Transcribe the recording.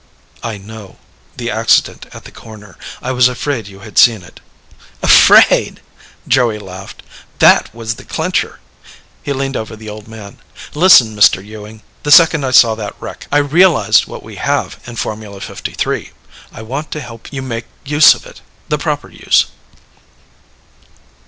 "I know. The accident at the corner. I was afraid you had seen it." "Afraid!" Joey laughed. "That was the clincher." He leaned over the old man. "Listen, Mr. Ewing, the second I saw that wreck, I realized what we have in Formula #53. I want to help you make use of it the proper use."